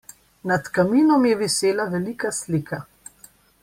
Nad kaminom je visela velika slika.